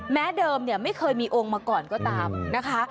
เดิมเนี่ยไม่เคยมีองค์มาก่อนก็ตามนะคะ